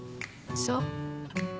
そう。